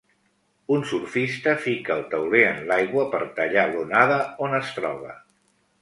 Un surfista fica el tauler en l'aigua per tallar l'onada on es troba.